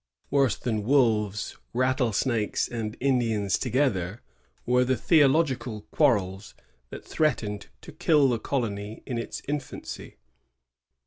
Worse than wolves, rattlesnakes, and Indians together were the theologici^ quarrels that threatened to kill the colony in its infancy.